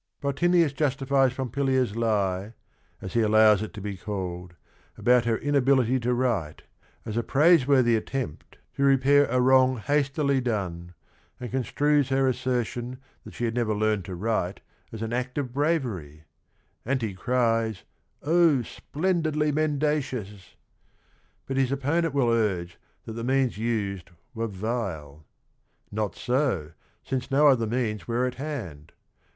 " Bottinius justifies Pompilia's lie, as he allows it to be called, about her inability to write, as a praiseworthy attempt to repair a wrong hastily done, and construes her assertion that she had never learned to write as an act of bravery; and he cries, " O splendidly mendacious !" But his opponent will urge that the means used were vile. Not so, since no other means were at hand.